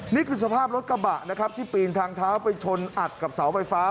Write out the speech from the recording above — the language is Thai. นี่คือสภาพรถกระบะนะครับที่ปีนทางเท้าไปชนอัดกับเสาไฟฟ้า